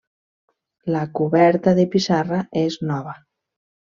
La coberta de pissarra és nova.